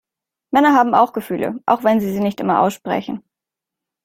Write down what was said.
Männer haben auch Gefühle, auch wenn sie sie nicht immer aussprechen.